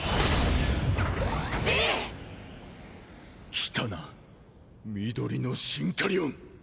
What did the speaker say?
来たな緑のシンカリオン！